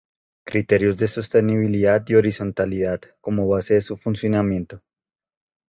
criterios de sostenibilidad y horizontalidad como base de su funcionamiento